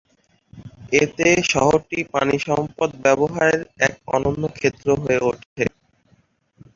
এতে শহরটি পানিসম্পদ ব্যবহারের এক অনন্য ক্ষেত্র হয়ে ওঠে।